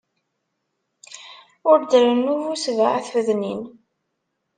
Ur d-rennu bu sebɛa tfednin.